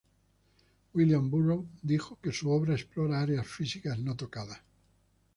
William Burroughs dijo que su obra "explora áreas físicas no tocadas".